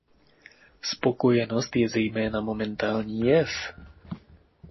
Spokojenost je zejména momentální jev.